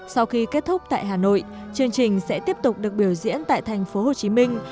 sau khi kết thúc tại hà nội chương trình sẽ tiếp tục được biểu diễn tại thành phố hồ chí minh